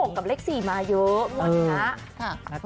เลข๖กับเลข๔มาเยอะ